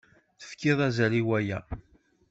Tefkid azal i waya.